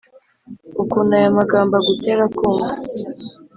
ukuntu aya magambo agutera kumva